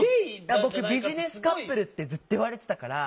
僕ビジネスカップルってずっと言われてたから。